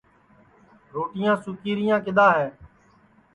روٹِیاں سُوکی رِیاں کِدؔا ہے